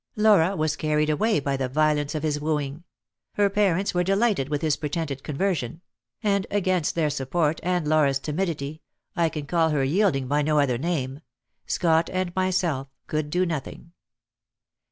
Laura was carried away by the violence of his wooing; her parents were delighted with his pretended conversion; and against their support and Laura's timidity I can call her yielding by no other name Scott and myself could do nothing.